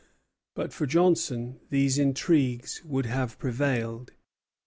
But for Johnson these intrigues would have prevailed.